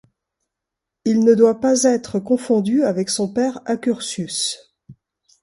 Il ne doit pas être confondu avec son père Accursius.